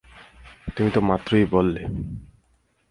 তুমি তো মাত্রই বললে।